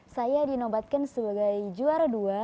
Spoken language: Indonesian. saya dinobatkan sebagai juara dua